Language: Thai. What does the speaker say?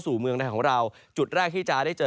เมืองในของเราจุดแรกที่จะได้เจอ